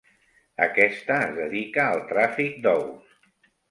Aquesta es dedica al tràfic d'ous.